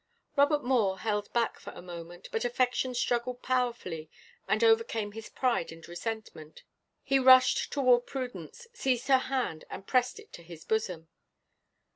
Robert Moore held back for a moment, but affection struggled powerfully and overcame his pride and resentment; he rushed toward Prudence, seized her hand, and pressed it to his bosom.